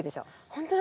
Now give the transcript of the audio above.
本当だ。